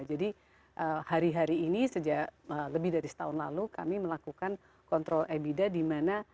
jadi hari hari ini sejak lebih dari setahun lalu kami melakukan kontrol ebida di mana